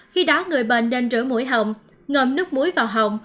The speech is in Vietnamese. khi đó người bệnh nên rửa mũi hồng ngầm nước muối vào hồng